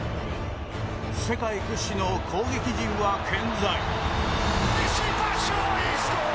世界屈指の攻撃陣は健在。